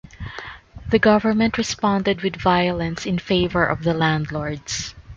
The government responded with violence in favor of the landlords.